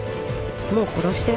もう殺して。